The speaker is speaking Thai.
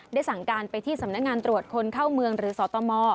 สั่งการไปที่สำนักงานตรวจคนเข้าเมืองหรือสตม